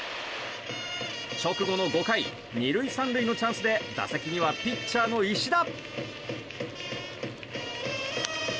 直後の５回２塁３塁のチャンスで打席にはピッチャーの石田。